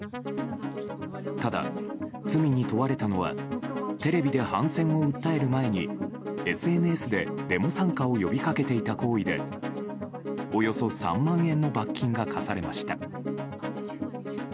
ただ、罪に問われたのはテレビで反戦を訴える前にＳＮＳでデモ参加を呼びかけていた行為でおよそ３万円の罰金が科されました。